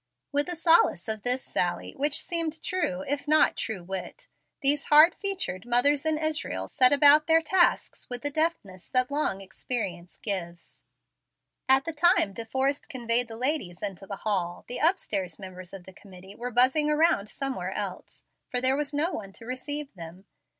With the solace of this sally, which seemed true, if not true wit, these hard featured mothers in Israel set about their tasks with the deftness that long experience gives. At the time De Forrest conveyed the ladies into the hall, the upstairs members of the committee were buzzing around somewhere else, for there was no one to receive them.